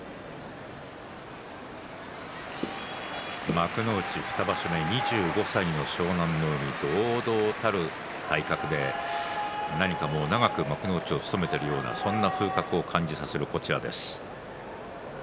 幕内２場所目２５歳の湘南乃海堂々たる体格で何か長く幕内を務めているようなそんな風格を感じさせます。